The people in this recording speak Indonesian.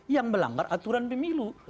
yang melanggar aturan pemilu